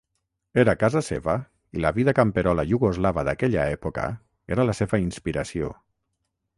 Era casa seva i la vida camperola iugoslava d'aquella època era la seva inspiració.